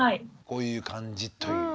こういう感じという。